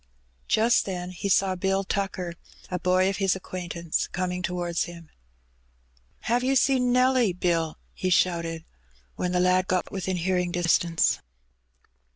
Just then he saw Bill Tucker — a boy of his acquaintance — coming towards him. ^^Have yer seen Nelly, Bill?" he shouted, when the lad got within hearing distance.